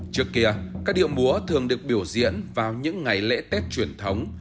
trước kia các điệu múa thường được biểu diễn vào những ngày lễ tết truyền thống